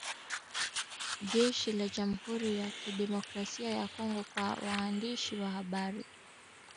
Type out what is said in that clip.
jeshi la jamhuri ya kidemokrasia ya Kongo kwa waandishi wa habari